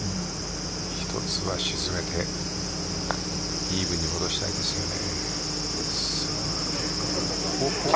１つは沈めてイーブンに戻したいですよね。